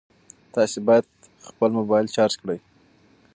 تاسي باید خپل موبایل چارج کړئ.